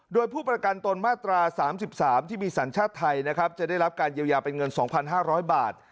โดยผู้ประกันตนมาตรา๓๓ที่มีสัญชาติไทยนะครับจะได้รับการเยียวยาเป็นเงิน๒๕๐๐บาท